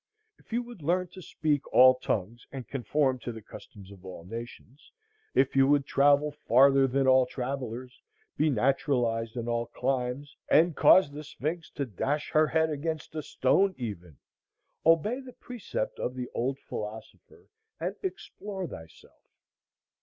If you would learn to speak all tongues and conform to the customs of all nations, if you would travel farther than all travellers, be naturalized in all climes, and cause the Sphinx to dash her head against a stone, even obey the precept of the old philosopher, and Explore thyself.